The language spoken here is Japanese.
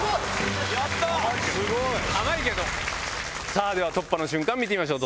すごい！では突破の瞬間見てみましょう。